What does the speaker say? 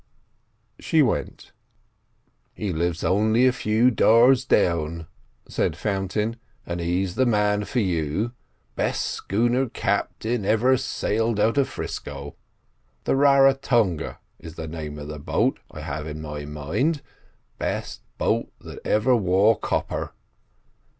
She went. "He lives only a few doors down," said Fountain, "and he's the man for you. Best schooner captain ever sailed out of 'Frisco. The Raratonga is the name of the boat I have in my mind—best boat that ever wore copper.